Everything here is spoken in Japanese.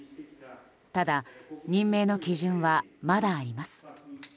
ただ、任命の基準はまだあります。